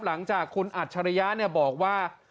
หลังจากคุณอัจฉริยะบอกว่า